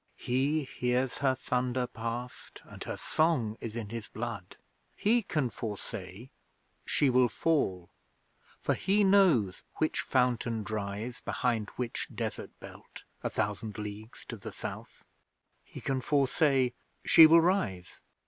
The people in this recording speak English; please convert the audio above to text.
He hears Her thunder past And Her song is in his blood. He can foresay: 'She will fall,' For he knows which fountain dries Behind which desert belt A thousand leagues to the South. He can foresay: 'She will rise.'